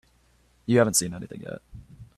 You haven't seen anything yet.